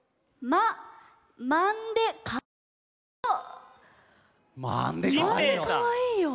「まんでかわいいよ」。